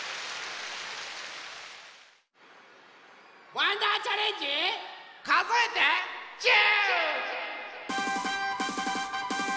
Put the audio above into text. わんだーチャレンジかぞえて１０！